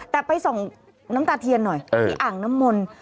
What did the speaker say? แต่ไปส่องน้ำตาเทียนหน่อยที่อ่างน้ำมนต์